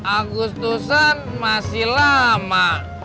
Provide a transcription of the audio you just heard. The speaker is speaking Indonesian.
agustusan masih lama